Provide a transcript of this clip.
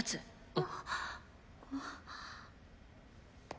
あっ。